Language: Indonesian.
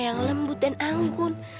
yang lembut dan anggun